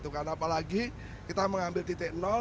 karena apalagi kita mengambil titik nol